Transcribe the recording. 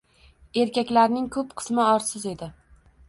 Erkaklarining koʻp qismi orsiz edi.